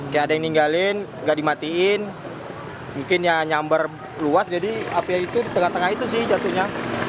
kayak ada yang ninggalin nggak dimatiin mungkin ya nyambar luas jadi api itu di tengah tengah itu sih jatuhnya